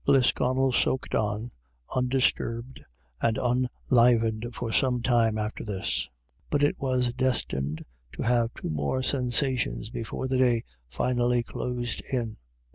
Lisconnel soaked on undisturbed and unen livened for some time after this, but it was destined to have two more sensations before the day finally closed in.